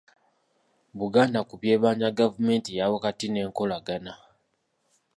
Buganda ku by'ebbanja Gavumenti eyaawakati n'enkolagana